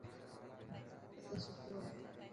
ڪتو ستو هي.